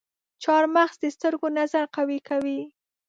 چارمغز د سترګو نظر قوي کوي.